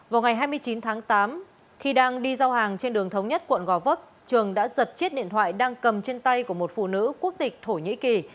vào ngày hai mươi chín tháng tám khi đang đi giao hàng trên đường thống nhất quận gò vấp trường đã giật chiếc điện thoại đang cầm trên tay của một phụ nữ quốc tịch thổ nhĩ kỳ